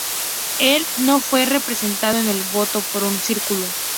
El "No" fue representado en el voto por un círculo.